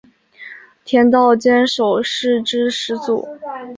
田道间守是之始祖。